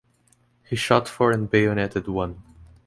He shot four and bayoneted one.